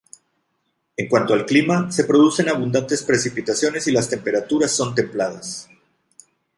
En cuanto al clima, se producen abundantes precipitaciones y las temperaturas son templadas.